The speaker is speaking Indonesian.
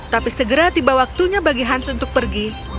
tapi segera tiba waktunya bagi hans untuk pergi